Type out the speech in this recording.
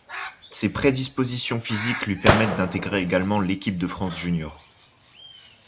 Ses prédispositions physiques lui permettent d'intégrer également l'équipe de France junior.